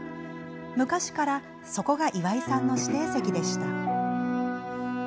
昔からそこが岩井さんの指定席でした。